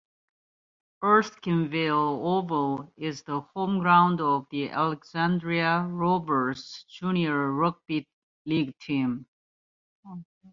Erskineville Oval is the home ground of the Alexandria Rovers junior rugby league team.